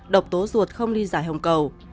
độc tố ruột không ly giải hồng cầu